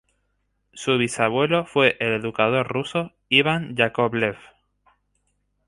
Su bisabuelo fue el educador ruso Ivan Yakovlev.